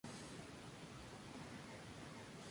Tiene un doctorado en economía del Virginia Tech.